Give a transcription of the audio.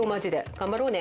頑張ろうね。